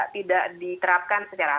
tidak diterapkan secara